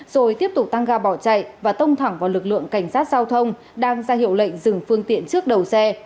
rồi tiếp tục tăng ga bỏ chạy và tông thẳng vào lực lượng cảnh sát giao thông đang ra hiệu lệnh dừng phương tiện trước đầu xe